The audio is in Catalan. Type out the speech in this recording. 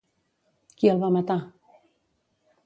Qui el va matar?